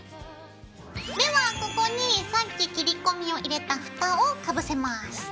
ではここにさっき切り込みを入れたフタをかぶせます。